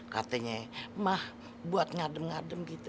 katanya mah buat ngadem ngadem gitu